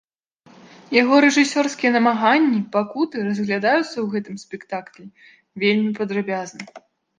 Яго рэжысёрскія намаганні, пакуты разглядаюцца ў гэтым спектаклі вельмі падрабязна.